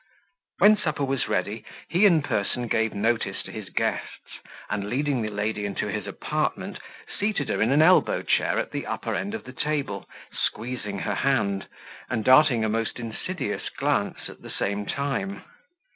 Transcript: When supper was ready, he in person gave notice to his guests, and, leading the lady into his apartment, seated her in an elbow chair at the upper end of the table, squeezing her hand, and darting a most insidious glance at the same time.